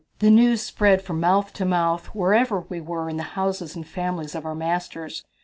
The news spread from mouth to mouth, wherever we were in the houses and families of our masters.